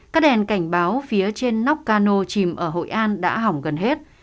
các đèn cảnh báo phía trên nóc cano chìm ở hội an đã hỏng gần hết